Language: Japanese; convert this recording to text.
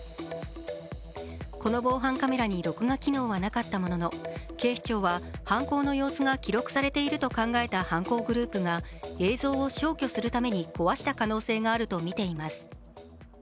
この防犯カメラに録画機能はなかったものの警視庁は犯行の様子が記録されていると考えた犯行グループが映像を消去するために壊した可能性があるとみています。